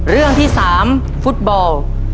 เรื่องที่๓ฟุตบอล